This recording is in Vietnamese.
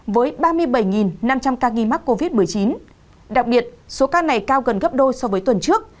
với ba mươi bảy năm trăm linh ca nghi mắc covid một mươi chín đặc biệt số ca này cao gần gấp đôi so với tuần trước